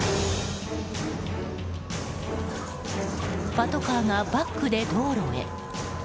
パトカーがバックで道路へ。